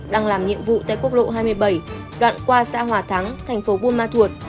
đang làm nhiệm vụ tại quốc lộ hai mươi bảy đoạn qua xã hòa thắng thành phố buôn ma thuột